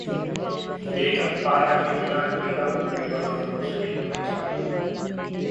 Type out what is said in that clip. बेगम पारा के बिना 'हीरा मंडी' बनाना मुश्किल: भंसाली